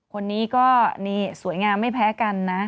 คนนี้ก็นี่สวยงามไม่แพ้กันนะ